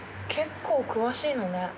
結構詳しいのね。